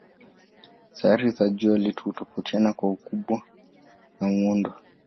Sayari za jua letu hutofautiana kwa ukubwa na muundo.